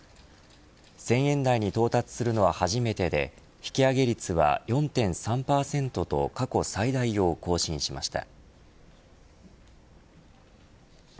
１０００円台に到達するのは初めてで引き上げ率は４．３％と過去最大を更新しました。